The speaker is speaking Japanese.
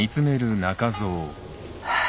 はあ。